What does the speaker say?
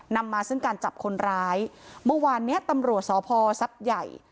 นำมาซึ่งการจับคนร้ายเมื่อวานเนี้ยตำรวจสพทรัพย์ใหญ่